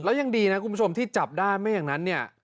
แล้วยังดีนะคุณผู้ชมที่จับได้ไม่อย่างนั้นเนี่ย